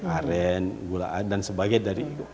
aren gula adan sebagai dari